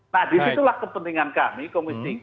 nah disitulah kepentingan kami komisi tiga